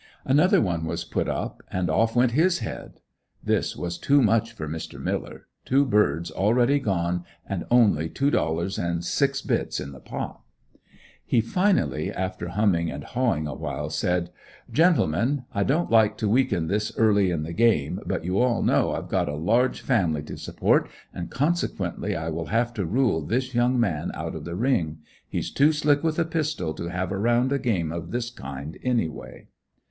Another one was put up, and off went his head. This was too much for Mr. Miller, two birds already gone and only two dollars and "six bits" in the pot. He finally after humming and hawing awhile, said: "Gentlemen, I don't like to weaken this early in the game, but you all know I have got a large family to support and consequently I will have to rule this young man out of the ring. He's too slick with a pistol to have around a game of this kind anyway."